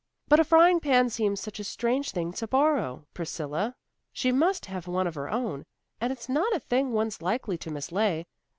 "But a frying pan seems such a strange thing to borrow, Priscilla. She must have one of her own, and it's not a thing one's likely to mislay.